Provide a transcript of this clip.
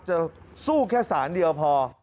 จะสู้แค่สารเดียวพอ